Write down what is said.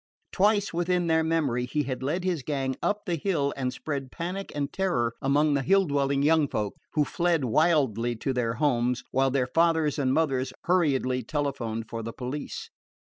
Twice within their memory he had led his gang up the Hill and spread panic and terror among the Hill dwelling young folk, who fled wildly to their homes, while their fathers and mothers hurriedly telephoned for the police.